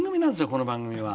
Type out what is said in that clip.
この番組は。